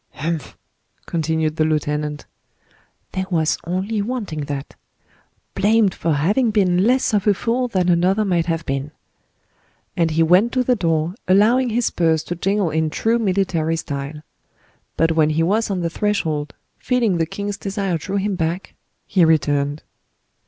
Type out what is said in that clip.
"Humph!" continued the lieutenant; "there was only wanting that. Blamed for having been less of a fool than another might have been." And he went to the door, allowing his spurs to jingle in true military style. But when he was on the threshold, feeling the king's desire drew him back, he returned.